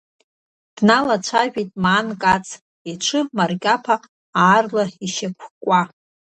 Дналацәажәеит Маан Кац, иҽы марқаԥа аарла ишьақәкуа.